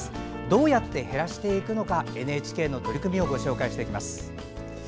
どうやって減らしていくのかＮＨＫの取り組みをご紹介します。